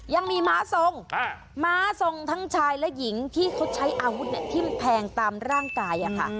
ยังมีม้าทรงม้าทรงทั้งชายและหญิงที่เขาใช้อาวุธทิ้มแทงตามร่างกายค่ะ